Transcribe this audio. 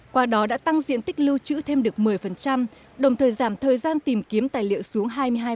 qua đó đã tăng diện tích lưu trữ thêm được một mươi đồng thời giảm thời gian tìm kiếm tài liệu xuống hai mươi hai